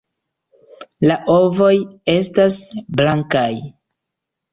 La ovoj estas blankaj.